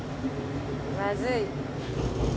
まずい。